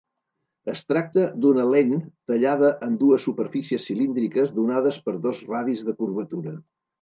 Es tracta d'una lent tallada amb dues superfícies cilíndriques donades per dos radis de curvatura.